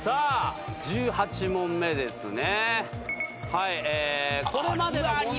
１８問目ですね。